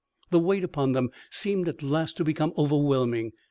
The weight upon them seemed at last to become overwhelming.